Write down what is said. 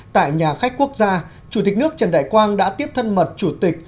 tại nhà khách quốc gia chủ tịch nước trần đại quang đã tiếp thân mật chủ tịch